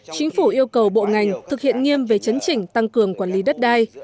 chính phủ yêu cầu bộ ngành thực hiện nghiêm về chấn chỉnh tăng cường quản lý đất đai